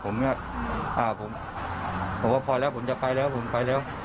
ผมเนี่ยผมบอกว่าพอแล้วผมจะไปแล้วผมไปแล้ว